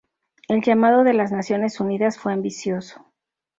El llamado de las Naciones Unidas fue ambicioso.